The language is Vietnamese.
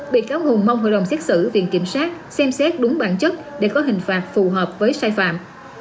bị cáo hùng mong hội đồng xét xử viện kiểm sát xem xét đúng bản chất để có hình phạt phù hợp với sai phạm